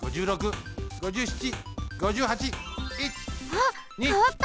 あっかわった！